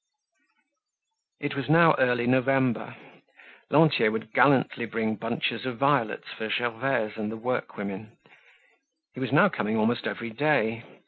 It was now early November. Lantier would gallantly bring bunches of violets for Gervaise and the workwomen. He was now coming almost every day.